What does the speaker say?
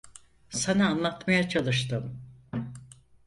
Sana anlatmaya çalıştım.